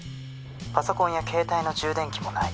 「パソコンや携帯の充電器もない」